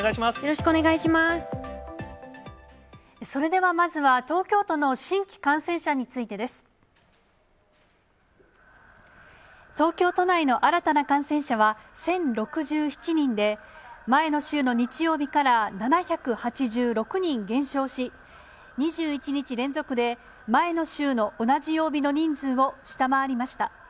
それではまずは、東京都の新規感染者についてです。東京都内の新たな感染者は１０６７人で、前の週の日曜日から７８６人減少し、２１日連続で、前の週の同じ曜日の人数を下回りました。